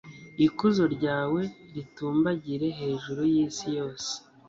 ikuzo ryawe ritumbagire hejuru y'isi yose